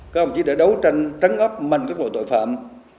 các ông chỉ đã đấu tranh trắng ấp mạnh các loại tội phạm